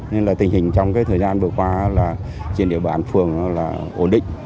nên là tình hình trong thời gian vừa qua trên địa bàn phường là ổn định